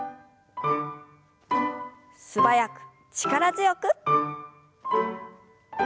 素早く力強く。